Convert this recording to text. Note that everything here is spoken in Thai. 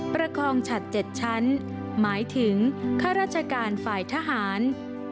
ประคองฉัด๗ชั้นหมายถึงข้าราชการฝ่ายทหาร